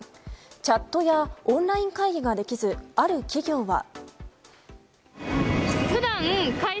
チャットやオンライン会議ができずある企業は。